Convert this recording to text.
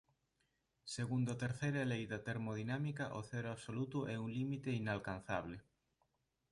Segundo a terceira lei da termodinámica o cero absoluto é un límite inalcanzable.